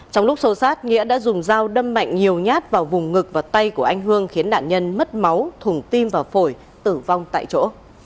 trong lúc sâu sát nghĩa đã dùng dao đâm mạnh nhiều nhát vào vùng ngực và tay của anh hương khiến nạn nhân mất máu thùng tim và phổi tử vong tại chỗ